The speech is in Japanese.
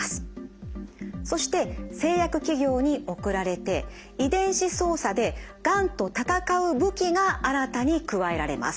そして製薬企業に送られて遺伝子操作でがんと戦う武器が新たに加えられます。